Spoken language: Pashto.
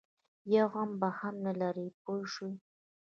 یو غم به هم نه لري پوه شوې!.